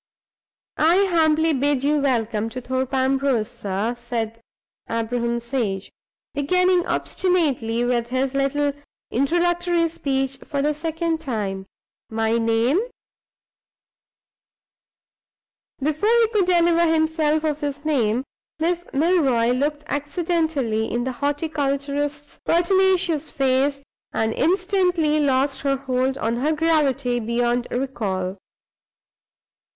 "I humbly bid you welcome to Thorpe Ambrose, sir," said Abraham Sage, beginning obstinately with his little introductory speech for the second time. "My name " Before he could deliver himself of his name, Miss Milroy looked accidentally in the horticulturist's pertinacious face, and instantly lost her hold on her gravity beyond recall.